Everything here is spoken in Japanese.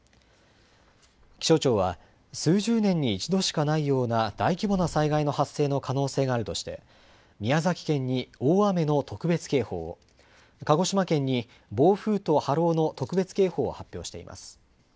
気象庁は数十年に一度しかないような大規模な災害の発生の可能性があるとして、宮崎県に大雨の特別警報、鹿児島県に暴風と波浪の特別警報を発表しています。